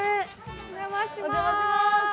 お邪魔します。